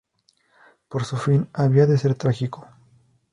Pero su fin había de ser trágico.